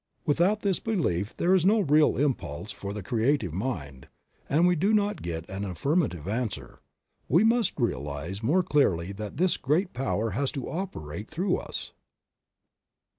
Without this belief there is no re, al impulse for the Creative Mind, and we do not get an affirmative answer. We must realize more clearly that this Great Power has to operate through us.